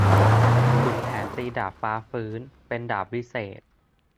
ขุนแผนตีดาบฟ้าฟื้น เป็นดาบวิเศษ